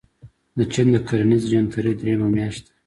د چين د کرنیزې جنترې درېیمه میاشت ده.